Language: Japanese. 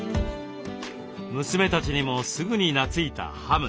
娘たちにもすぐになついたハム。